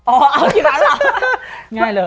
เอากี่ตั้งหรอ